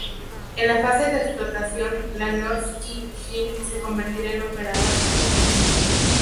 En la fase de explotación la Norske Shell se convertirá en la operadora.